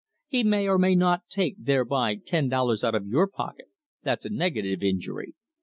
He may or may not take thereby ten dollars out of your pocket: that's a negative injury.